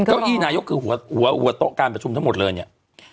เก้าอี้นายกคือหัวโต๊ะการประชุมทั้งหมดเลยเนี่ย